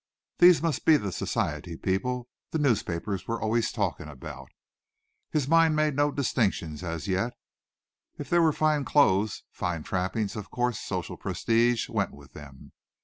These must be the society people the newspapers were always talking about. His mind made no distinctions as yet. If there were fine clothes, fine trappings, of course social prestige went with them.